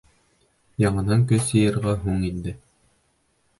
Яңынан көс йыйырға һуң инде.